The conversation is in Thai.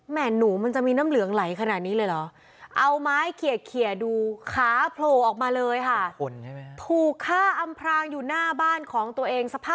แหม่นูมันจะมีน้ำเหลืองไหลขนาดนี้เลยเอาไม้เคียดดูขาโผล่ออกมาเลยถูกฆ่าอำพรางอยู่หน้าบ้านของตัวเอง